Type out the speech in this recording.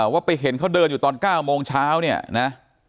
ว่าไปเห็นเขาเดินอยู่ตอน๙โมงเช้าเนี่ยนะ